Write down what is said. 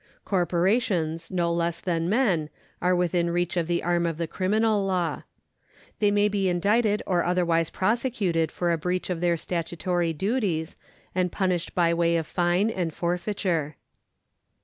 Corporations, no less than men, are within reach of the arm of the criminal law. They may be indicted or otherwise prosecuted for a breach of their statutory duties, and punished by way of fine and for feiture.